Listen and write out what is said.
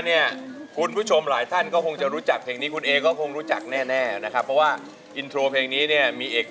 นี้ก็มีรอยยิ้มบวกกับความกังวลเล็ก